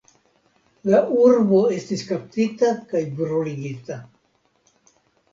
La urbo estis kaptita kaj bruligita.